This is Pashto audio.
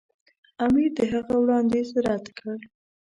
امیر د هغه وړاندیز رد کړ.